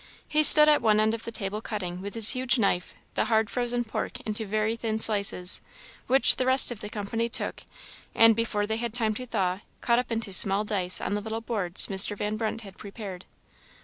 He stood at one end of the table, cutting, with his huge knife, the hard frozen pork into very thin slices, which the rest of the company took, and, before they had time to thaw, cut up into small dice on the little boards Mr. Van Brunt had prepared.